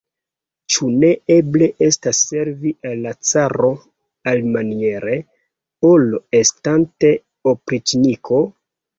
Ĉu ne eble estas servi al la caro alimaniere, ol estante opriĉniko?